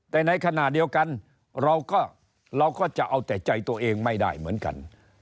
แต่ในขณะเดียวกันเราก็เราก็จะเอาแต่ใจตัวเองไม่ได้เหมือนกัน